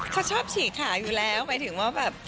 เขาชอบฉีกขาอยู่แล้วหมายถึงว่าแบบ